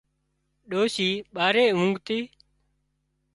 ڏوشي ٻاري اونگتِي